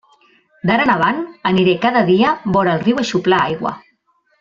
D'ara en avant aniré cada dia vora el riu a xuplar aigua.